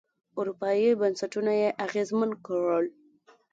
اروپايي بنسټونه یې اغېزمن کړل.